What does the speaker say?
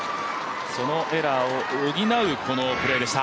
そのエラーを補うプレーでした。